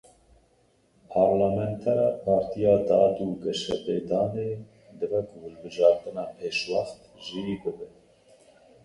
Parlamentera Partiya Dad û Geşepêdanê, dibe ku hilbijartina pêşxwet jî bibe.